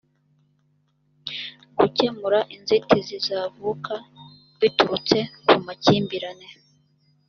gukemura inzitizi zavuka biturutse ku makimbirane